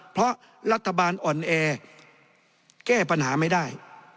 เพราะรัฐบาลอ่อนแอแก้ปัญหาไม่ได้